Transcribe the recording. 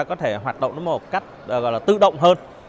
có thể hoạt động nó một cách tự động hơn